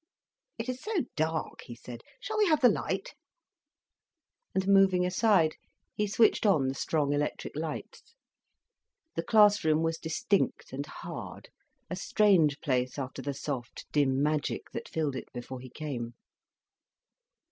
"It is so dark," he said. "Shall we have the light?" And moving aside, he switched on the strong electric lights. The class room was distinct and hard, a strange place after the soft dim magic that filled it before he came.